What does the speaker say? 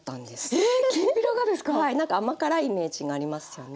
なんか甘辛いイメージがありますよね。